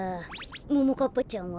ももかっぱちゃんは？